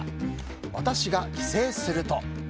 私が帰省すると。